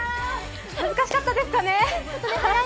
難しかったですかね。